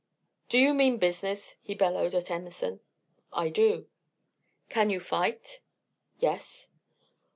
"Do you mean business?" he bellowed at Emerson. "I do." "Can you fight?" "Yes."